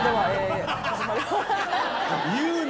言うな！